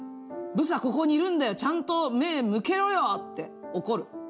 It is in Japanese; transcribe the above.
ブスはここにいるんだよ、ちゃんと目を向けろよって怒る。